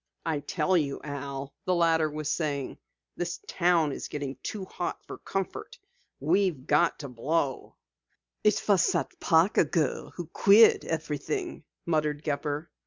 "I tell you, Al," the latter was saying, "this town is getting too hot for comfort. We've got to blow." "It was that Parker girl who queered everything," muttered Gepper.